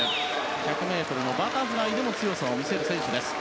１００ｍバタフライでも強さを見せる選手です。